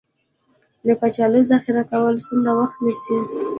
د کچالو ذخیره کول څومره وخت نیسي؟